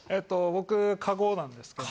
僕カゴなんですけど。